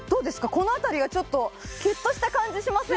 この辺りがちょっとキュッとした感じしません？